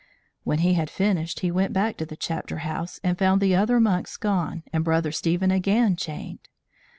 When he had finished he went back to the chapter house and found the other monks gone and Brother Stephen again chained.